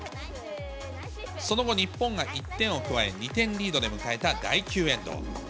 その後、日本が１点を加え、２点リードで迎えた第９エンド。